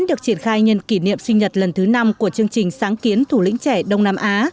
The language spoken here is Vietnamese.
được triển khai nhân kỷ niệm sinh nhật lần thứ năm của chương trình sáng kiến thủ lĩnh trẻ đông nam á